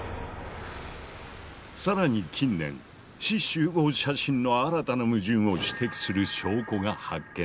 さらに近年志士集合写真の新たな矛盾を指摘する証拠が発見された。